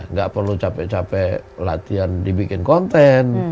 nggak perlu capek capek latihan dibikin konten